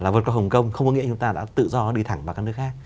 vượt qua hồng kông không có nghĩa chúng ta đã tự do đi thẳng vào các nước khác